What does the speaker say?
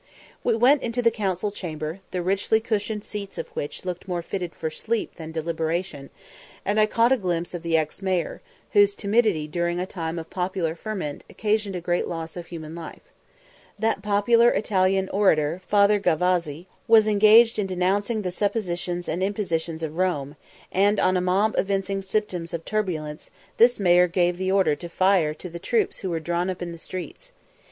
We went into the Council Chamber, the richly cushioned seats of which looked more fitted for sleep than deliberation; and I caught a glimpse of the ex mayor, whose timidity during a time of popular ferment occasioned a great loss of human life. That popular Italian orator, "Father Gavazzi" was engaged in denouncing the superstitions and impositions of Rome; and on a mob evincing symptoms of turbulence, this mayor gave the order to fire to the troops who were drawn up in the streets.